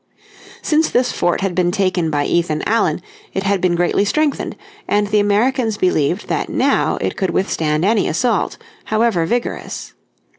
Since this fort had been taken by Ethan Allen it had been greatly strengthened, and the Americans believed that now it could withstand any assault, however vigorous.